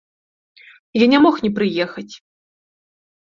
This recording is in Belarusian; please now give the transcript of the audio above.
Я не мог не прыехаць.